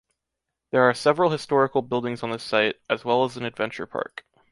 There are several historical buildings on the site, as well as an adventure park.